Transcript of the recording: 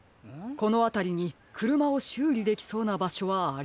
このあたりにくるまをしゅうりできそうなばしょはありませんか？